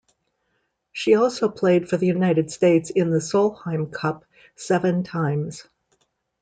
She also played for the United States in the Solheim Cup seven times.